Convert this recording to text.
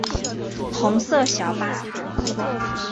红色小巴